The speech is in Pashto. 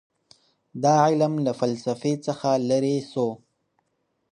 دا علم له فلسفې څخه لیرې سو.